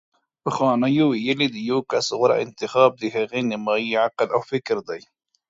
پخوانیو ویلي: د یو کس غوره انتخاب د هغه نیمايي عقل او فکر دی